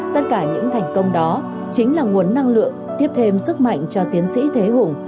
tất cả những thành công đó chính là nguồn năng lượng tiếp thêm sức mạnh cho tiến sĩ thế hùng